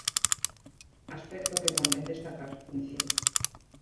Aspecto que convén destacar, incide.